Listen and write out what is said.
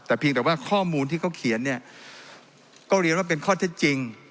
แต่เพียงแต่ว่าข้อมูลที่เขาเขียนเนี่ยก็เรียนว่าเป็นข้อเท็จจริง